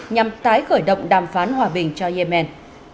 nhằm tái khởi động đàm phán hòa bình cho yemen